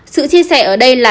sự chia sẻ ở đây là